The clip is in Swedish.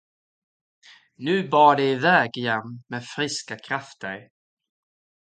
Nu bar det iväg igen med friska krafter.